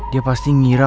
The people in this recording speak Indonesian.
dia pasti ngira